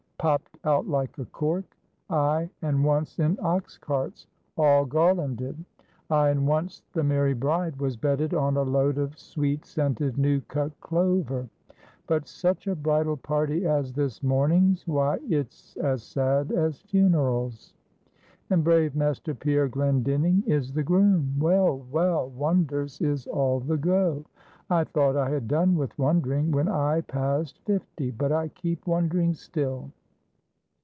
popt out like a cork ay, and once in ox carts, all garlanded; ay, and once, the merry bride was bedded on a load of sweet scented new cut clover. But such a bridal party as this morning's why, it's as sad as funerals. And brave Master Pierre Glendinning is the groom! Well, well, wonders is all the go. I thought I had done with wondering when I passed fifty; but I keep wondering still.